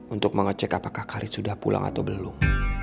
untuk mengecek apakah karet sudah pulang atau belum